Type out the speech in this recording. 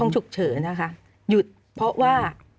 ฉุกเฉินนะคะหยุดเพราะว่า